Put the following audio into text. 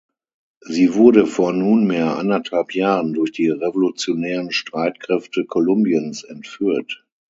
Sie wurde vor nunmehr anderthalb Jahren durch die Revolutionären Streitkräfte Kolumbiens entführt.